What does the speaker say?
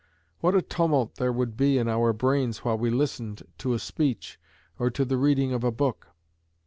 What a tumult there would be in our brains while we listened to a speech, or to the reading of a book?